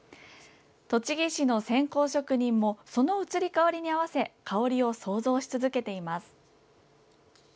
栃木市の線香職人もその移り変わりに合わせ香りを創造し続けています。